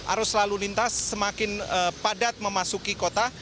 arus lalu lintas semakin padat memasuki kota